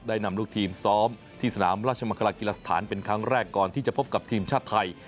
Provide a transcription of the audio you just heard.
นำลูกทีมซ้อมที่สนามราชมังคลากีฬาสถานเป็นครั้งแรกก่อนที่จะพบกับทีมชาติไทย